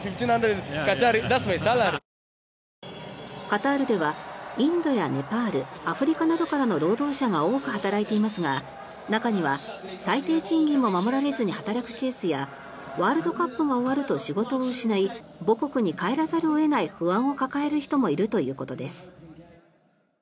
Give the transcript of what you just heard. カタールではインドやネパールアフリカなどからの労働者が多く働いていますが中には最低賃金も守られずに働くケースやワールドカップが終わると仕事を失い母国に帰らざるを得ない不安を抱える人もいるということです。